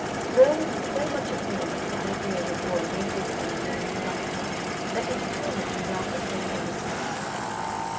Merlin was so much amused with the idea of a boy no bigger than a man's thumb, that he determined to grant the poor woman's wish.